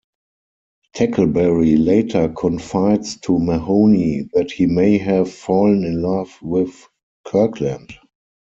Tackleberry later confides to Mahoney that he may have fallen in love with Kirkland.